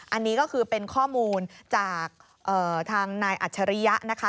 อันนี้ก็คือเป็นข้อมูลจากทางนายอัจฉริยะนะคะ